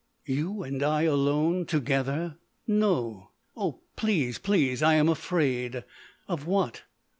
"You and I alone together—no! oh, please—please! I am afraid!" "Of what?"